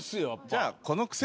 じゃあ。